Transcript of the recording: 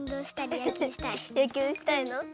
やきゅうしたいの？